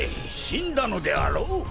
死んだのであろう？